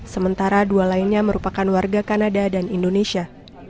sementara dua lainnya merupakan warga kanada dan indonesia